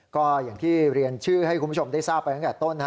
ก็อย่างที่เรียนชื่อให้คุณผู้ชมได้ทราบไปตั้งแต่ต้น